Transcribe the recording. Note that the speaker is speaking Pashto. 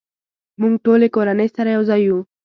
مونږ ټولې کورنۍ سره یوځای یو